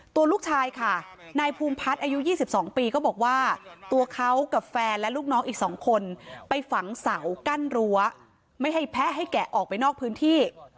ตัวลูกชายค่ะนายภูมิพัฒน์อายุ๒๒ปีก็บอกว่าตัวเขากับแฟนและลูกน้องอีก๒คนไปฝังเสากั้นรั้วไม่ให้แพะให้แกะออกไปนอกพื้นที่